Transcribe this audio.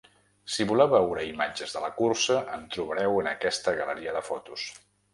Si voleu veure imatges de la cursa en trobareu en aquesta galeria de fotos.